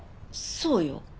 そうよ。